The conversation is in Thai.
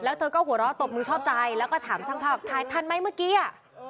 แล้วเธอก็หัวเราะตบมือชอบใจแล้วก็ถามช่างภาพถ่ายทันไหมเมื่อกี้อ่ะ